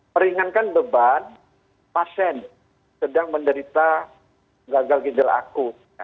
meringankan beban pasien sedang menderita gagal gijal aku